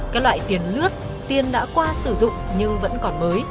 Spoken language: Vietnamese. các loại tiền lướt tiền đã qua sử dụng nhưng vẫn còn mới